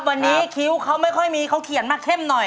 วันนี้คิ้วเขาไม่ค่อยมีเขาเขียนมาเข้มหน่อย